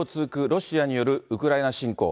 ロシアによるウクライナ侵攻。